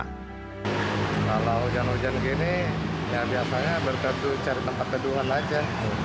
kalau hujan hujan begini ya biasanya bergantung cari tempat kedungan saja